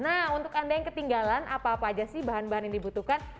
nah untuk anda yang ketinggalan apa apa aja sih bahan bahan yang dibutuhkan